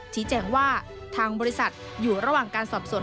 ชี้แจงว่าทางบริษัทอยู่ระหว่างการสอบสวน